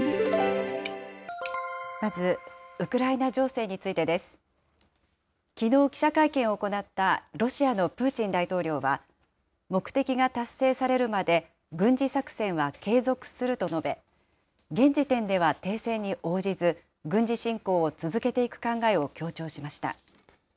まず、ウクライナ情勢についてです。きのう、記者会見を行ったロシアのプーチン大統領は、目的が達成されるまで軍事作戦は継続すると述べ、現時点では停戦に応じず、軍事侵攻を続けていく考えを強調しました。